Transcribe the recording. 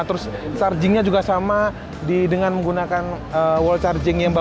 terus charging nya juga sama dengan menggunakan wall charging yang bawa